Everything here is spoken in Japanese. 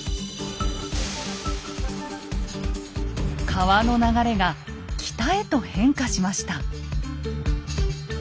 川の流れが北へと変化しました。